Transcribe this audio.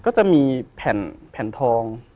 ก็จะมีแผ่นแผ่นทอง